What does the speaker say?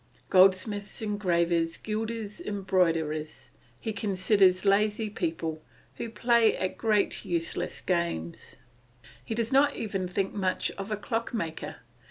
Goldsmiths, engravers, gilders, and embroiderers, he considers lazy people, who play at quite useless games. He does not even think much of a clockmaker.